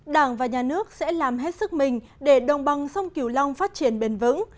đảng và nhà nước sẽ làm hết sức mình để đồng bằng sông kiều long phát triển bền vững